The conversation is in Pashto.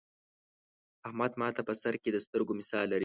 احمد ماته په سر کې د سترگو مثال لري.